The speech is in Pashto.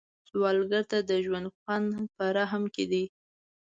سوالګر ته د ژوند خوند په رحم کې دی